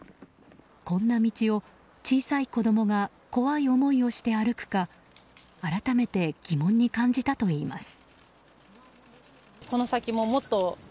こんな道を小さい子供が怖い思いをして歩くか改めて疑問に感じたといいます。